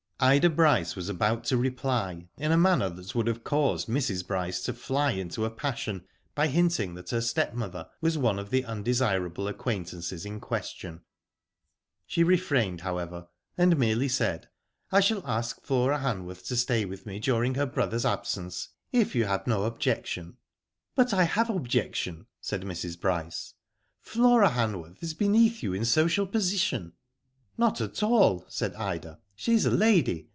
Ida Bryce was about to reply, in a manner that would have caused Mrs. Bryce to fly into a passion, by hinting that her stepmother was one of the undesirable acquaintances in question. She refrained, however, and merely said :" I shall ask Flora Hanworth to stay with me during her brother's absence, if you have no objection." But I have objection," said Mrs. Bryce. '* Flora Hanworth is beneath you in social position/^ *' Not at all," said Ida. *' She is a lady.